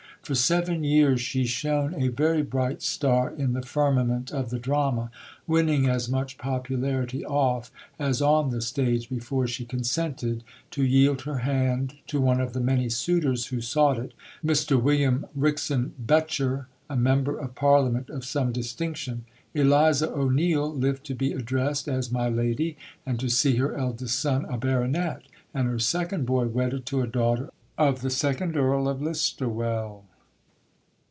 For seven years she shone a very bright star in the firmament of the drama, winning as much popularity off as on the stage, before she consented to yield her hand to one of the many suitors who sought it Mr William Wrixon Becher, a Member of Parliament of some distinction. Eliza O'Neill lived to be addressed as "my Lady," and to see her eldest son a Baronet, and her second boy wedded to a daughter of the second Earl of Listowel.